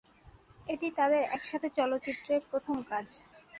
এটি তাদের একসাথে চলচ্চিত্রে প্রথম কাজ।